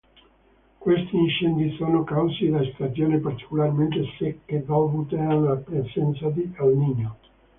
Questi incendi sono causati da stagioni particolarmente secche dovute alla presenza di El Niño.